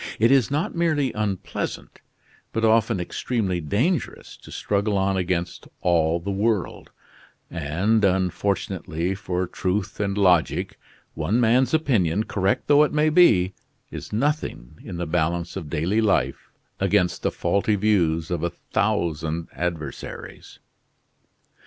It is not merely unpleasant, but often extremely dangerous to struggle on against all the world, and unfortunately for truth and logic one man's opinion, correct though it may be, is nothing in the balance of daily life against the faulty views of a thousand adversaries.